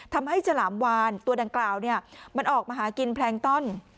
ทำให้ฉลามวานตัวดังกล่าวเนี่ยมันออกมาหากินแพลงต้น